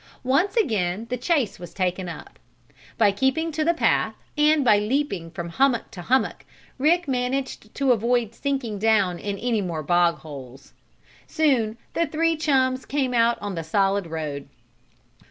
Once again the chase was taken up. By keeping to the path, and by leaping from hummock to hummock, Rick managed to avoid sinking down in any more bog holes. Soon the three chums came out on the solid road.